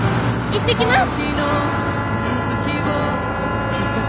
行ってきます！